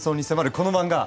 この漫画。